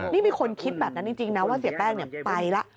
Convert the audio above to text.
นี่มีคนคิดแบบนั้นจริงนะว่าเสียแป้งไปแล้ว